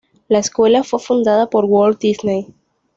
La escuela fue fundada por Walt Disney.